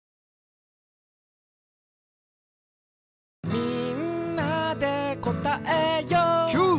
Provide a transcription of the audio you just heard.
「みんなでこたえよう」キュー！